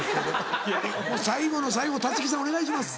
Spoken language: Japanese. もう最後の最後立木さんお願いします。